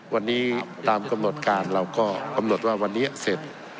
วันนี้ตามกำหนดการเราก็กำหนดว่าวันนี้เสร็จ